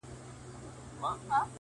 عزیز دي راسي د خپلوانو شنه باغونه سوځي-